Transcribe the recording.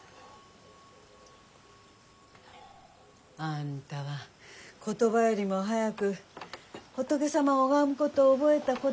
あんたは言葉よりも早く仏様を拝むことを覚えた子だったねぇ。